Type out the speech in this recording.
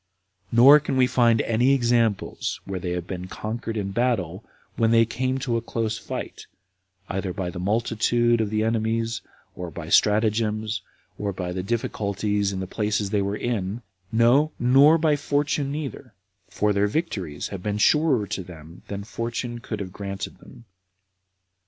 Nor can we find any examples where they have been conquered in battle, when they came to a close fight, either by the multitude of the enemies, or by their stratagems, or by the difficulties in the places they were in; no, nor by fortune neither, for their victories have been surer to them than fortune could have granted them.